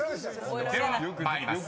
［では参ります。